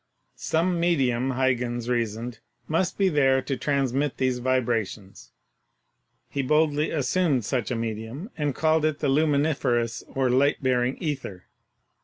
Some medium, Huygens reasoned, must be there to transmit these vibrations. He boldly assumed THE SOURCES OF LIGHT 69 such a medium and called it the Luminiferous or Light bearing Ether.